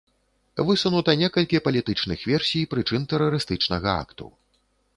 Высунута некалькі палітычных версій прычын тэрарыстычнага акту.